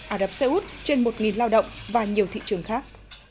ả rập xê út trên một lao động và nhiều thị trường khác